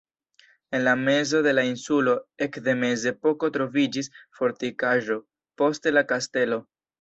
En la mezo de la insulo ekde mezepoko troviĝis fortikaĵo, poste la kastelo.